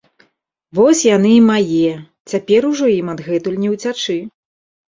- Вось яны і мае! Цяпер ужо ім адгэтуль не ўцячы!